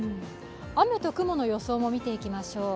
雨と雲の予想も見ていきましょう。